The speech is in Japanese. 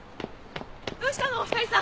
どうしたのお二人さん！